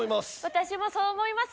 私もそう思います。